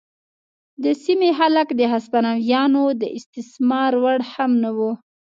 د سیمې خلک د هسپانویانو د استثمار وړ هم نه وو.